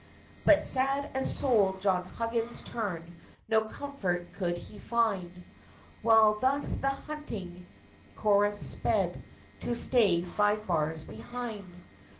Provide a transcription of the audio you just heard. But sad at soul John Huggins turned: No comfort could he find; While thus the "Hunting Chorus" sped, To stay five bars behind.